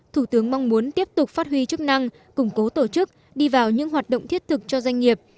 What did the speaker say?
thủ tướng mong muốn tiếp tục phát huy chức năng củng cố tổ chức đi vào những hoạt động thiết thực cho doanh nghiệp